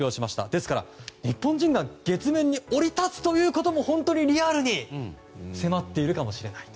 ですから日本人が月面に降り立つということも本当にリアルに迫っているかもしれない。